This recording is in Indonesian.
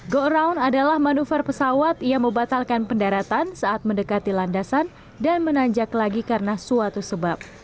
go around adalah manuver pesawat yang membatalkan pendaratan saat mendekati landasan dan menanjak lagi karena suatu sebab